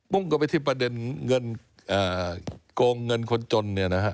มุ่งก็ไปที่ประเด็นเงินโกงเงินคนจน